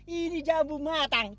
ini jambu matang